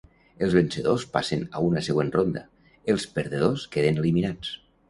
Els vencedors passen a una següent ronda, els perdedors queden eliminats.